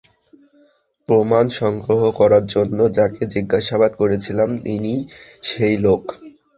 প্রমাণ সংগ্রহ করার জন্য যাকে জিজ্ঞাসাবাদ করেছিলাম ইনিই সেই লোক!